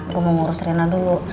aku mau ngurus rena dulu